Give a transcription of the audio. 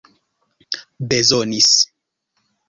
bezonis